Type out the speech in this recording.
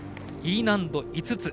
Ｅ難度、５つ。